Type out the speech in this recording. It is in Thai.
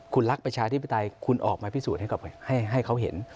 คุณรักประชาธิปไตยคุณออกมาพิสูจน์ให้เขาเห็น